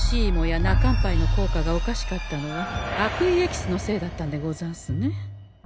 イモや泣かんパイの効果がおかしかったのは悪意エキスのせいだったんでござんすね。